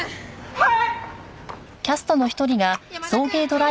はい！